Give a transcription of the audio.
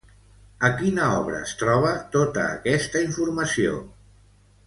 A quina obra es troba tota aquesta informació?